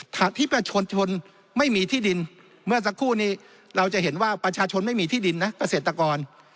ถ้าที่ประชาชนชนไม่มีที่ดินเมื่อสักครู่นี้เราจะเห็นว่าประชาชนไม่มีที่ดินนะเกษตรกร